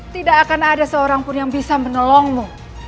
tidak akan ada seorang pun yang bisa menolongmu